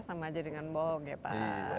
sama aja dengan bok ya pak